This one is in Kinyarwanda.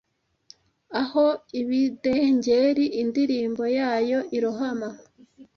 aho ibidengeri indirimbo yayo irohama